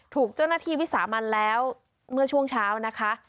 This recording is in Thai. ถูกเจ้าหน้าที่วิสามันแล้วเมื่อช่วงเช้านะคะ